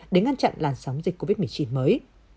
để ngăn chặn làn sóng dịch covid một mươi chín mới